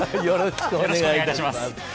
よろしくお願いします。